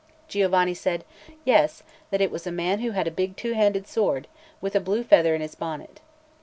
Giovanni said, yes, that it was a man who had a big two handed sword, with a blue feather in his bonnet.